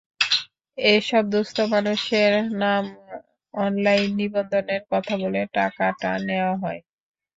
এসব দুস্থ মানুষের নাম অনলাইন নিবন্ধনের কথা বলে টাকাটা নেওয়া হয়।